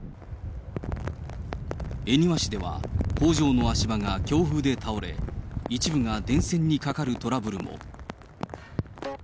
恵庭市では工場の足場が強風で倒れ、一部が電線に架かるトラブルも。